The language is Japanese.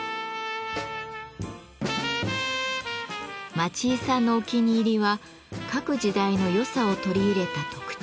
町井さんのお気に入りは各時代の良さを取り入れた特注品。